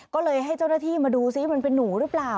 ก็เลยให้เจ้าหน้าที่มาดูซิมันเป็นหนูหรือเปล่า